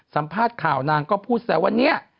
สัมภาษณ์ข่าวนางก็พูดแซวว่าเนี่ย